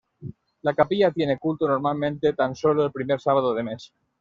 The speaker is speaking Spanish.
La capilla tiene culto normalmente tan solo el primer sábado de mes.